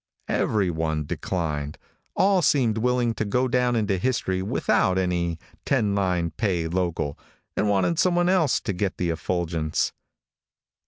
Everyone declined. All seemed willing to go down into history without any ten line pay local, and wanted someone else to get the effulgence.